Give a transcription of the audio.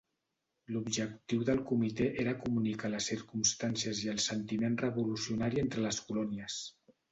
L"objectiu del comitè era comunicar les circumstàncies i el sentiment revolucionari entre les colònies.